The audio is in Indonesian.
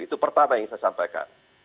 itu pertama yang saya sampaikan